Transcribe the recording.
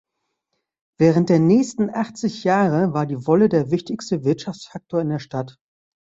Während der nächsten achtzig Jahre war die Wolle der wichtigste Wirtschaftsfaktor in der Stadt.